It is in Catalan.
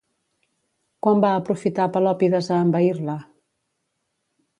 Quan va aprofitar Pelòpides a envair-la?